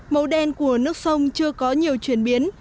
màu đen của nước sông chưa có nhiều chuyển biến